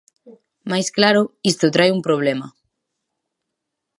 Mais claro, isto trae un problema.